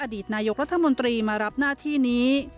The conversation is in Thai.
อดีตนายกรัฐมนตรีมารับหน้าที่นี้